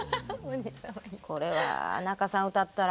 これは仲さん歌ったら。